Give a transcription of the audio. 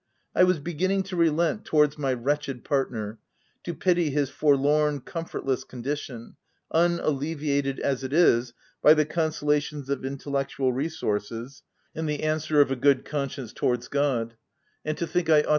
I was be ginning to relent towards my wretched partner — to pity his forlorn, comfortless condition, unalleviated as it is by the consolations of in tellectual resources and the answer of a good conscience towards God — and to think 1 ought OP W1LDFELL HALL.